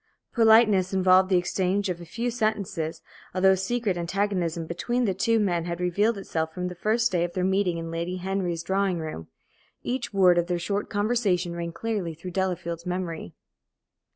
Politeness involved the exchange of a few sentences, although a secret antagonism between the two men had revealed itself from the first day of their meeting in Lady Henry's drawing room. Each word of their short conversation rang clearly through Delafield's memory.